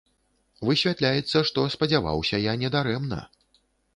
Высвятляецца, што спадзяваўся я не дарэмна.